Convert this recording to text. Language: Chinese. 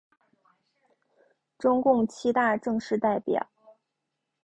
中共七大正式代表。